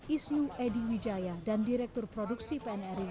isnu edy wijaya dan direktur produksi pnri